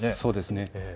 そうですね。